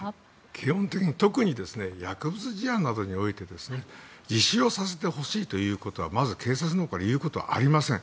基本的に特に薬物事案などにおいて自首をさせてほしいということはまず警察のほうから言うことはありません。